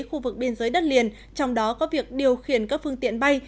khu vực biên giới đất liền trong đó có việc điều khiển các phương tiện bay